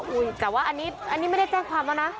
อ๋ออุ๊ยแต่ว่าอันนี้อันนี้ไม่ได้แจ้งความแล้วนะ